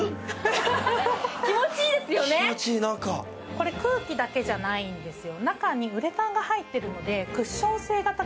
これ、空気だけじゃないんですよ。